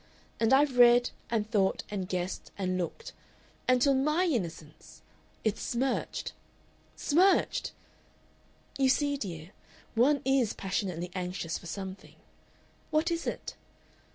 And I've read, and thought, and guessed, and looked until MY innocence it's smirched. "Smirched!... "You see, dear, one IS passionately anxious for something what is it?